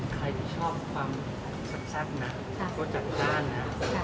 ใครที่ชอบความซับนะก็จัดการนะครับ